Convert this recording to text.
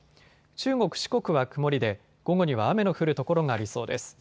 中国、四国は曇りで午後には雨の降る所がありそうです。